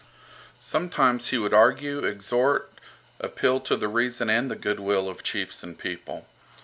Sometimes he would argue, exhort, appeal to the reason and the goodwill of chiefs and people.